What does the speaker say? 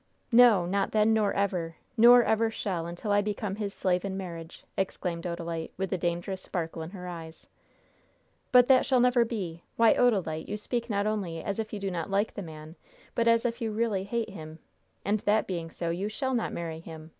"No; not then; nor ever! No; nor ever shall, until I become his slave in marriage!" exclaimed the girl, with a dangerous sparkle in her eyes. "But that shall never be! Why, Odalite, you speak not only as if you do not like the man, but as if you really hate him; and that being so, you shall not marry him!